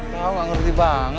tau gak ngerti banget